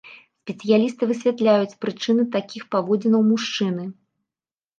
Спецыялісты высвятляюць прычыны такіх паводзінаў мужчыны.